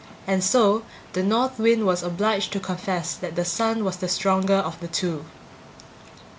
And so the North Wind was obliged to confess that the Sun was the stronger of the two.